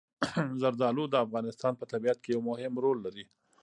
زردالو د افغانستان په طبیعت کې یو مهم رول لري.